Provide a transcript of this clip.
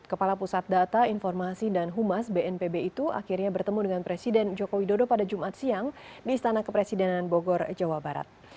kepala pusat data informasi dan humas bnpb itu akhirnya bertemu dengan presiden joko widodo pada jumat siang di istana kepresidenan bogor jawa barat